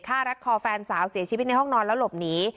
รัดคอแฟนสาวเสียชีวิตในห้องนอนแล้วหลบหนี